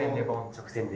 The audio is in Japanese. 直線で。